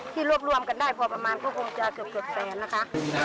รวบรวมกันได้พอประมาณก็คงจะเกือบแสนนะคะ